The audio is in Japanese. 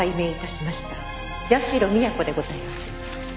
社美彌子でございます。